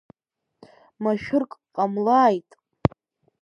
Машәырк ҟамлааит…